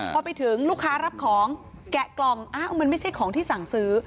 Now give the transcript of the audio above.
พอไปถึงลูกค้ารับของแกะกล่องอ้าวมันไม่ใช่ของที่สั่งซื้อ